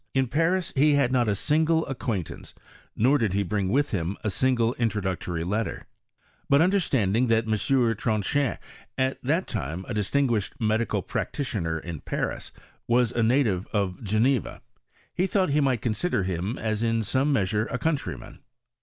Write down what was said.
In Paris he had not a single acquaintance, nor did he bring with him a single introductory letter; but understanding that M. Tronchin, at that time a distinguished medical practitioner in Paris, was a native of Geneva, he thought he might consider htm as in some measure a countryman.